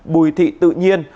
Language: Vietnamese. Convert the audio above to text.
bùi thị tự nhiên